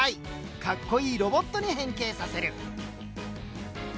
かっこいいロボットに変形させる。